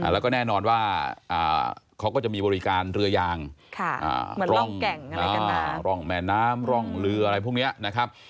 แล้วก็แน่นอนว่าเขาก็จะมีบริการเรือยางร่องแม่น้ำร่องเรืออะไรพวกนี้นะครับ